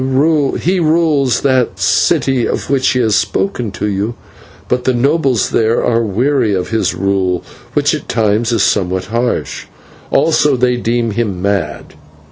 He rules that city of which he has spoken to you, but the nobles there are weary of his rule, which at times is somewhat harsh; also they deem him mad.